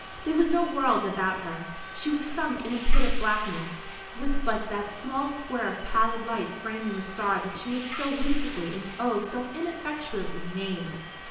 There was no world about her. She was sunk in a pit of blackness, with but that small square of pallid light framing the star that she had so whimsically and oh, so ineffectually named.